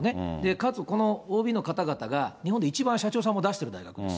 かつこのＯＢの方々が日本で一番社長さんも出している大学です。